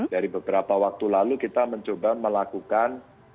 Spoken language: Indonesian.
dari beberapa waktu lalu kita mencoba melakukan